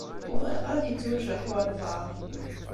Ur bɣiɣ ara ad yettwajreḥ walebɛeḍ.